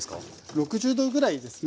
６０℃ぐらいですね。